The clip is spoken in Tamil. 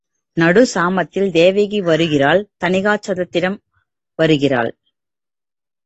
நடுச் சாமத்தில் தேவகி வருகிறாள் தணிகாசலத்திடம் வருகிறாள்.